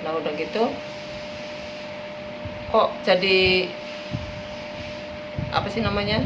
nah udah gitu kok jadi apa sih namanya